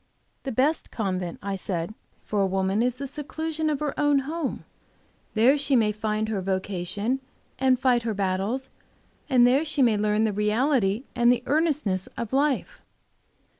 "The best convent," I said, "for a woman is the seclusion of her own home. There she may find vocation and fight her battles, and there she may learn the reality and the earnestness of life."